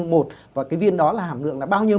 một và cái viên đó là hàm lượng là bao nhiêu